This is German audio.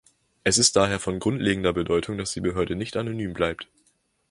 Es ist daher von grundlegender Bedeutung, dass die Behörde nicht anonym bleibt.